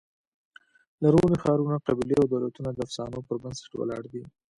لرغوني ښارونه، قبیلې او دولتونه د افسانو پر بنسټ ولاړ دي.